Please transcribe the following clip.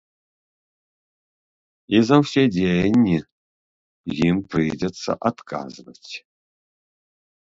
І за ўсе дзеянні ім прыйдзецца адказваць.